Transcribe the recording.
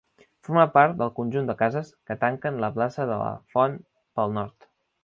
Forma part del conjunt de cases que tanquen la plaça de la Font pel nord.